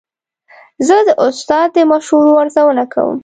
زه د استاد د مشورو ارزونه کوم.